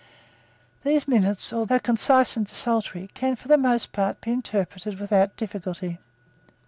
These minutes, though concise and desultory, can for the most part be interpreted without difficulty.